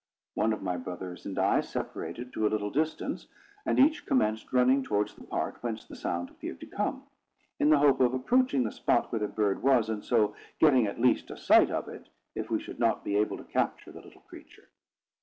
One of my brothers and I separated to a little distance, and each commenced running towards the part whence the sound appeared to come, in the hope of approaching the spot where the bird was, and so getting at least a sight of it, if we should not be able to capture the little creature.